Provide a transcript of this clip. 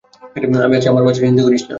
আমি আছি, আমার বাচ্চা, চিন্তা করিস না।